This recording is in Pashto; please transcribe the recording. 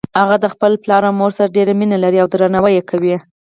هغه د خپل پلار او مور سره ډیره مینه لری او درناوی یی کوي